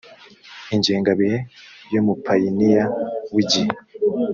ingengabihe y umupayiniya w igihe